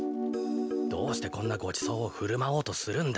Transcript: どうしてこんなごちそうをふるまおうとするんだ。